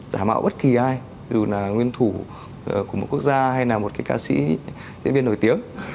giả mạo bất kỳ ai dù là nguyên thủ của một quốc gia hay là một cái ca sĩ diễn viên nổi tiếng